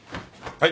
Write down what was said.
はい。